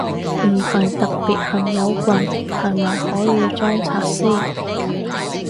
唔係特別恨有棍，係咪可以裝拆先？